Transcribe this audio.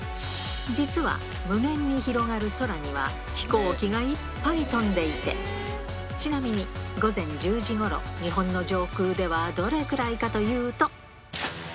実は無限に広がる空には、飛行機がいっぱい飛んでいて、ちなみに午前１０時ごろ、日本の上空ではどれくらいかというと。